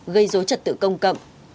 gây dối trật tự công cậm